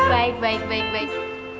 baik baik baik baik